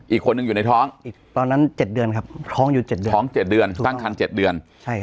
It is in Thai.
อีกคนนึงอยู่ในท้องตอนนั้น๗เดือนครับท้องอยู่๗เดือนท้อง๗เดือนตั้งคัน๗เดือน